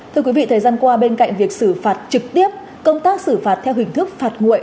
thưa quý vị thời gian qua bên cạnh việc xử phạt trực tiếp công tác xử phạt theo hình thức phạt nguội